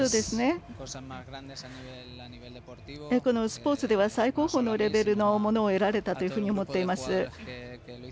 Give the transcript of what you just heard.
スポーツでは最高峰のレベルのものを得られたというふうに思っています。